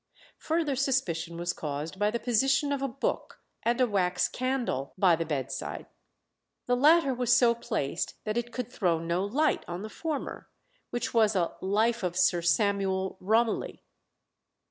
Further suspicion was caused by the position of a book and a wax candle by the bedside. The latter was so placed that it could throw no light on the former, which was a 'Life of Sir Samuel Romilly.'